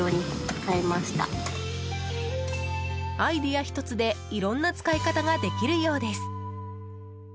アイデア１つでいろんな使い方ができるようです。